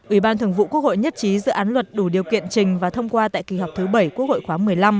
ủy ban thường vụ quốc hội nhất trí dự án luật đủ điều kiện trình và thông qua tại kỳ họp thứ bảy quốc hội khóa một mươi năm